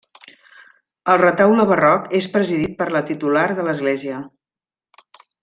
El retaule barroc és presidit per la titular de l'església.